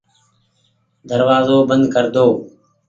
دروآزو بند ڪر دو ۔